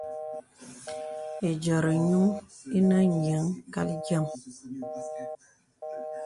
Ediórī gnūŋ inə nīəŋ kal yēm.